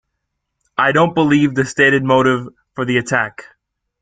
I don't believe the stated motive for the attack.